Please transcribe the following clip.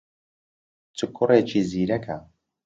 چ کوڕێکی زیرەکە!